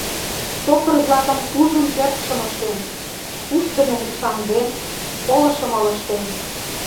Сокыр-влакым ужын кертшым ыштен, ушдымым ушаҥден, колышым ылыжтен.